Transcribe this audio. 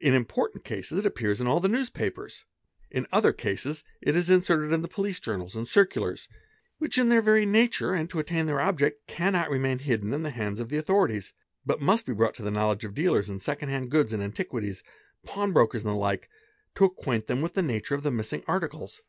In important cases it appears in all the newspapers, in other cases it is 'inserted in the police journals and circulars, which in their very nature Pe nd to attain their object cannot remain hidden in the hands of the _ authorities, but must be brought to the knowledge of dealers in second hand goods and antiquities, pawn brokers, and the like, to acquaint them with the nature of the missing articles.